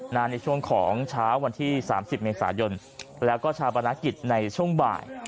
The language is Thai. ในช่วงของเช้าวันที่๓๐เมษายนแล้วก็ชาปนกิจในช่วงบ่าย